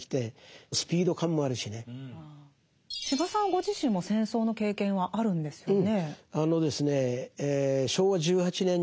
ご自身も戦争の経験はあるんですよね。